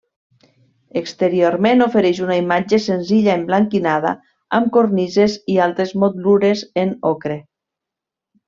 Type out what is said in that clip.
Exteriorment oferix una imatge senzilla emblanquinada, amb cornises i altres motlures en ocre.